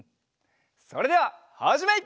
それでははじめい！